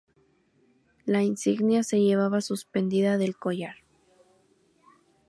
La insignia se llevaba suspendida del collar.